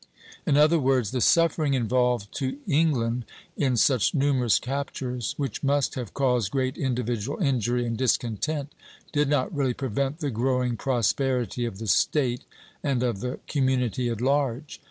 " In other words, the suffering involved to England in such numerous captures, which must have caused great individual injury and discontent, did not really prevent the growing prosperity of the State and of the community at large.